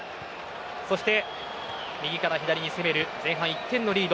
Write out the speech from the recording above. そして、右から左に攻める前半１点のリード